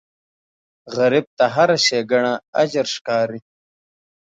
غریب ته هره ښېګڼه اجر ښکاري